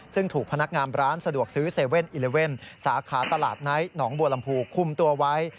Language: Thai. ซึ่งถูกพนักงามร้านสะดวกซื้อ๗๑๑สาขาตลาดไนท์หนองบัวลำพูคุมตัวไว้